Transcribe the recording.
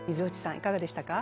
いかがでしたか。